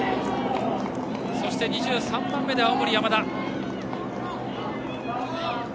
そして２３番目で青森山田。